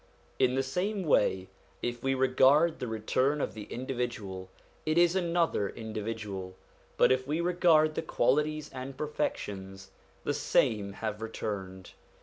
In the same way, if we regard the return of the individual, it is another individual; but if we regard the qualities and perfections, the same have returned.